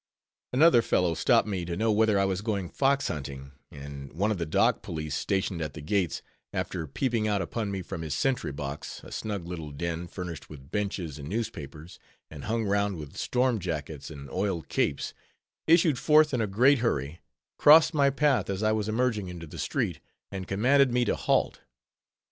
_ Another fellow stopped me to know whether I was going fox hunting; and one of the dock police, stationed at the gates, after peeping out upon me from his sentry box, a snug little den, furnished with benches and newspapers, and hung round with storm jackets and oiled capes, issued forth in a great hurry, crossed my path as I was emerging into the street, and commanded me to _halt!